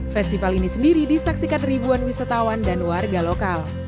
festival ini sendiri disaksikan ribuan wisatawan dan warga lokal